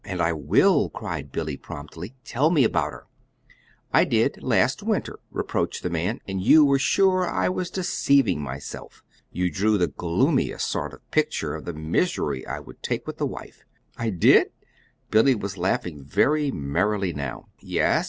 "And I will," cried Billy, promptly. "Tell me about her." "I did last winter," reproached the man, "and you were sure I was deceiving myself. You drew the gloomiest sort of picture of the misery I would take with a wife." "I did?" Billy was laughing very merrily now. "Yes.